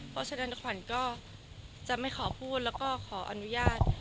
เพราะฉะนั้นขวัญก็จะไม่ขอพูดแล้วก็ขออนุญาต